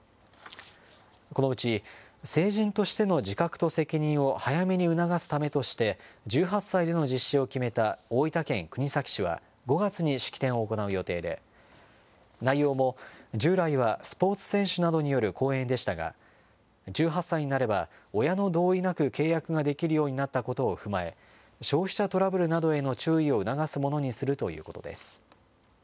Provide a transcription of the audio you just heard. このうち、成人としての自覚と責任を早めに促すためとして、１８歳での実施を決めた大分県国東市は、５月に式典を行う予定で、内容も従来はスポーツ選手などによる講演でしたが、１８歳になれば、親の同意なく契約ができるようになったことを踏まえ、消費者トラブルなどへの注意を促すものにするということです。